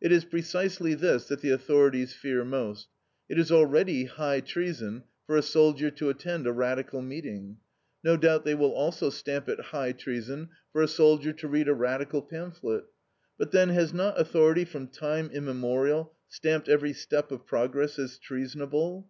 It is precisely this that the authorities fear most. It is already high treason for a soldier to attend a radical meeting. No doubt they will also stamp it high treason for a soldier to read a radical pamphlet. But then, has not authority from time immemorial stamped every step of progress as treasonable?